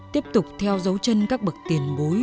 tiếp tục theo dấu chân các bậc tiền bối